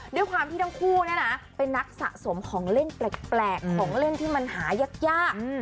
ด้วยความที่ทั้งคู่เนี่ยนะเป็นนักสะสมของเล่นแปลกของเล่นที่มันหายาก